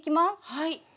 はい。